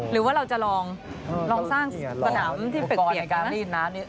หรือว่าเราจะลองลองสร้างสนามที่เปรียกนะ